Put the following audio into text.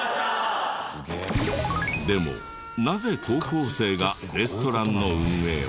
でもなぜ高校生がレストランの運営を？